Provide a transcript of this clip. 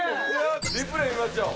リプレイ見ましょう。